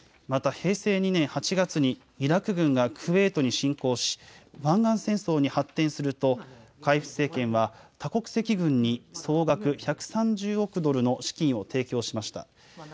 また平成２年８月にイラク軍がクウェートに侵攻し湾岸戦争に発展すると海部政権は多国籍軍に総額１３０億ドルの資金を提供しました。